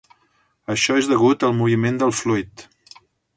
Això és degut al moviment del fluid.